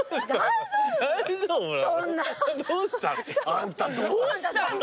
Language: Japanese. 「あんたどうしたの」